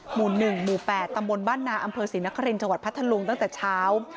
หมู่๑หมู่๘ตำบลบ้านนาอำเภอศรีนครินทร์จังหวัดพัทธลุงตั้งแต่เช้า